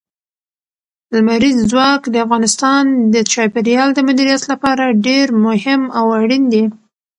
لمریز ځواک د افغانستان د چاپیریال د مدیریت لپاره ډېر مهم او اړین دي.